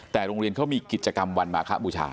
แต่โรงเรียนเขามีกิจกรรมวันมาคบูชา